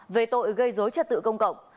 về tội gây dối trật tự công cộng